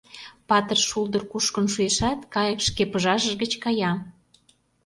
Патыр шулдыр кушкын шуэшат, Кайык шке пыжашыж гыч кая.